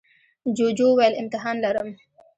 جوجو وویل امتحان لرم.